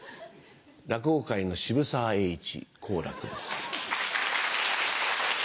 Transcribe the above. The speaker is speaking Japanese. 落語界の渋沢栄一好楽です。